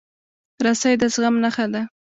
رسۍ د زغم نښه ده.